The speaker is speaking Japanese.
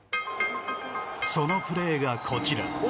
そのプレーがこちら。